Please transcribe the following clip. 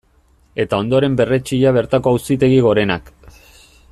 Eta ondoren berretsia bertako Auzitegi Gorenak.